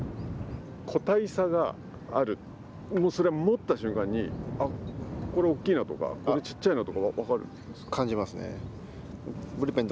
個体差がある、それは持った瞬間に、あっ、これ大きいなとか、これちっちゃいなとか分かるんですか。